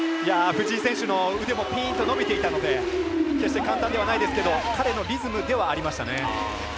藤井選手の腕もぴーんと伸びていたので決して簡単ではないですけど彼のリズムではありましたね。